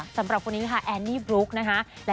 สำหรับคนนี้ค่ะแอนนี่บลุ๊กนะคะ